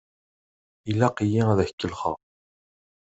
Ilaq-iyi ad k-kellexeɣ!